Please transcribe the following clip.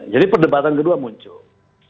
jadi perdebatan kedua muncul